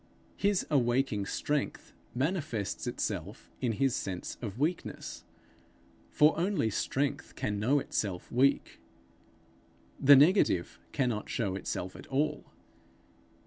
His awaking strength manifests itself in his sense of weakness, for only strength can know itself weak. The negative cannot know itself at all.